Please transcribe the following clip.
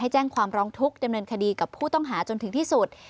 แจ้งความร้องทุกข์ดำเนินคดีกับผู้ต้องหาจนถึงที่สุด